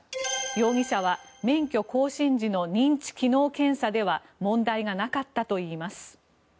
容疑者は免許更新時の認知機能検査では問題がなかったといいます。